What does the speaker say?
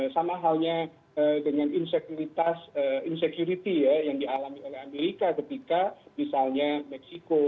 sama halnya dengan insecurity ya yang dialami oleh amerika ketika misalnya meksiko